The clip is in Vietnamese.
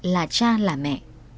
là cha là mẹ